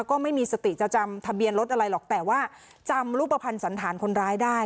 ก็ไม่มีสติจะจำทะเบียนรถอะไรหรอกแต่ว่าจำรูปภัณฑ์สันธารคนร้ายได้